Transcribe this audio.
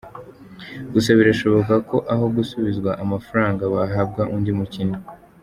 Gusa birashoboka ko aho gusubizwa amafaranga bahabwa undi mukinnyi.